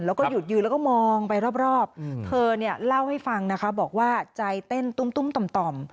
แล้วก็หยุดยืนแล้วก็มองไปรอบเธอเนี่ยเล่าให้ฟังนะคะบอกว่าใจเต้นตุ้มต่อม